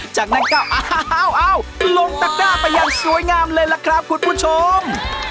จากนั้นก็อ้าวลงตะก้าไปอย่างสวยงามเลยล่ะครับคุณผู้ชม